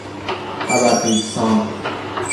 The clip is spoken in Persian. ابر قیفسان